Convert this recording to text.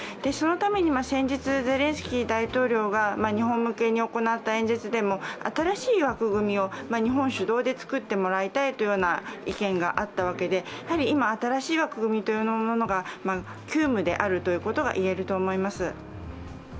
そのために先日、ゼレンスキー大統領が日本向けに行った演説でも新しい枠組みを日本主導で作ってもらいたいという意見があったわけで、今、新しい枠組みというものが急務であるということがいえると思います。